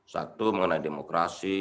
satu mengenai demokrasi